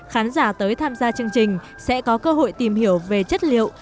khán giả tới tham gia chương trình sẽ có cơ hội tìm hiểu về chất liệu